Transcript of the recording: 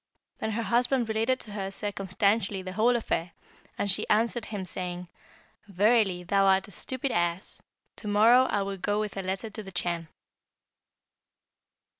Then her husband related to her circumstantially the whole affair, and she answered him saying, 'Verily, thou art a stupid ass. To morrow I will go with a letter to the Chan.'